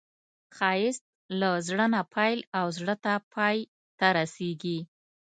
ښایست له زړه نه پیل او زړه ته پای ته رسېږي